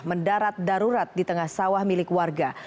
mendarat darurat di tengah sawah milik warga